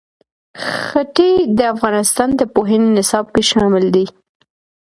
ښتې د افغانستان د پوهنې نصاب کې شامل دي.